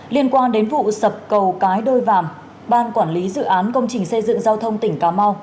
liên quan đến vụ sập cầu cái đôi vàm ban quản lý dự án công trình xây dựng giao thông tỉnh cà mau